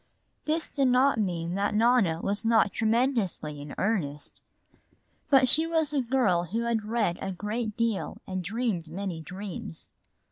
This did not mean that Nona was not tremendously in earnest. But she was a girl who had read a great deal and dreamed many dreams.